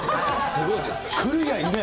すごいね。